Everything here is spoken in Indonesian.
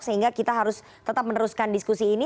sehingga kita harus tetap meneruskan diskusi ini